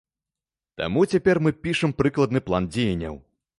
Таму цяпер мы пішам прыкладны план дзеянняў.